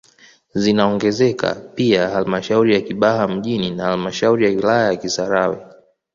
Zinaongezeka pia halmashauri ya Kibaha mjini na halmashauri ya wilaya ya Kisarawe